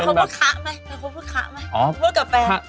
เป็นคนพูดคะไหมเป็นคนพูดคะไหม